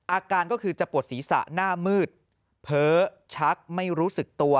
อาการก็คือจะปวดศีรษะหน้ามืดเพ้อชักไม่รู้สึกตัว